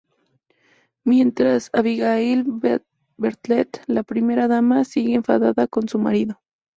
Mientras, Abigail Bartlet, la Primera Dama, sigue enfada con su marido.